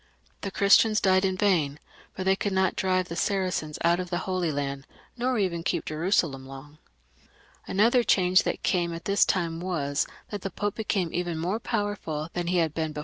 The Christians died in vain, for they could not drive the Saracens out of the Holy Land, nor even keep Jerusalem long. Another change that came at this time was that the Pope became even more powerful than he had been 72 PHILIP L [CH.